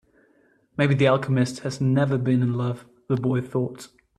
Maybe the alchemist has never been in love, the boy thought.